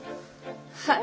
はい。